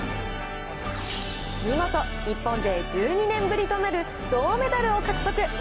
見事、日本勢１２年ぶりとなる銅メダルを獲得。